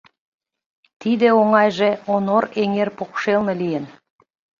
Тиде оҥайже Онор эҥер покшелне лийын.